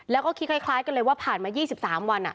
แล้วก็คิดคล้ายกันเลยว่าผ่านมา๒๓วัน